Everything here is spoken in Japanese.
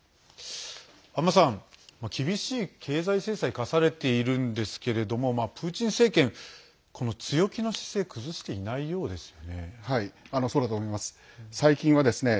安間さん、厳しい経済制裁科されているんですけれどもプーチン政権、この強気の姿勢崩していないようですよね。